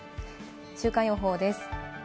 週間予報です。